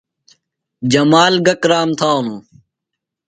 جمال گہ کرام تھانُوۡ؟